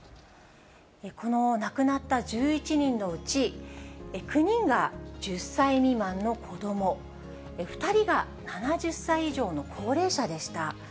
この亡くなった１１人のうち、９人が１０歳未満の子ども、２人が７０歳以上の高齢者でした。